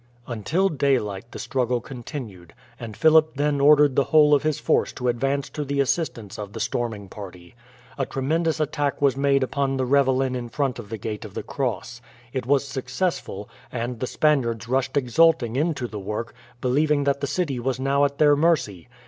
Until daylight the struggle continued, and Philip then ordered the whole of his force to advance to the assistance of the storming party. A tremendous attack was made upon the ravelin in front of the gate of the Cross. It was successful, and the Spaniards rushed exulting into the work, believing that the city was now at their mercy.